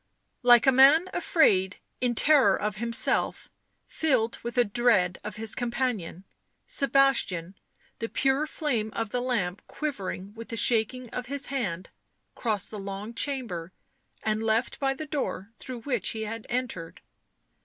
Like a man afraid, in terror of himself, filled with a dread of his companion, Sebastian, the pure flame of the lamp quivering with the shaking of his hand, crossed the long chamber and left by the door through which he had entered.